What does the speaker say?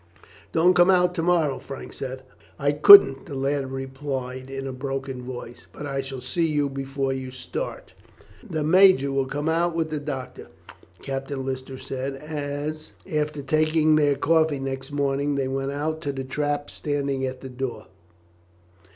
"Don't come out to morrow," Frank said. "I couldn't," the lad replied in a broken voice, "but I shall see you before you start." "The major will come on with the doctor," Captain Lister said, as, after taking their coffee next morning, they went out to the trap standing at the door.